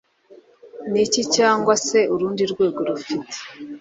n iki cyangwa se urundi rwego rufite